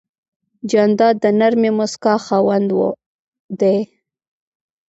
جانداد د نرمې موسکا خاوند دی.